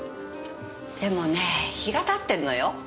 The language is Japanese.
でもね日が経ってるのよ。